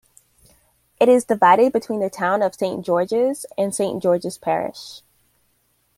It is divided between the town of Saint George's and Saint George's Parish.